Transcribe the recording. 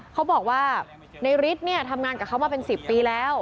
เขาบอกว่านายริสที่ทำงานกับเขามาเป็นสิบปีแล้ว